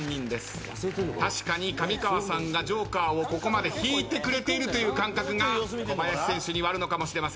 確かに上川さんがジョーカーをここまで引いてくれているという感覚が小林選手にはあるのかもしれません。